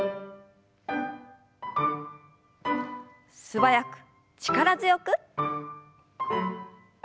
素早く力強く。